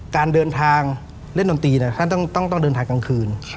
การเดินทางเล่นดนตรีท่านต้องเดินทางกลางคืน